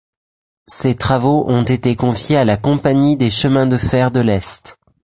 Ces travaux ont été confiés à la Compagnie des chemins de fer de l'Est.